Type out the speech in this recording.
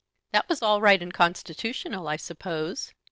"That was all right and constitutional, I suppose."